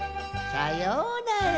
さようなら。